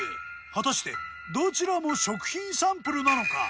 果たしてどちらも食品サンプルなのか？